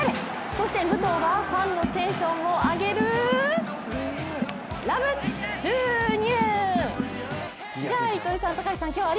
そして武藤はファンのテンションを上げる、ラブ注入！